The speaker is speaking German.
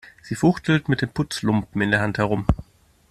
Sie fuchtelt mit dem Putzlumpen in der Hand herum.